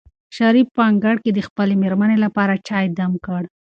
شریف په انګړ کې د خپلې مېرمنې لپاره چای دم کړ.